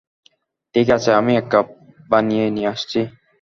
ঠিক আছে, আমি এক কাপ বানিয়ে নিয়ে আসছি।